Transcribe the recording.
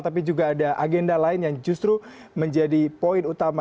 tapi juga ada agenda lain yang justru menjadi poin utama